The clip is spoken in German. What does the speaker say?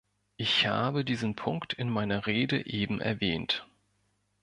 Ich habe diesen Punkt in meiner Rede eben erwähnt.